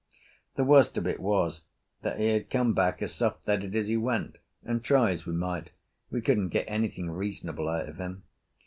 The worst of it was that he had come back as soft headed as he went, and try as we might we couldn't get anything reasonable out of him.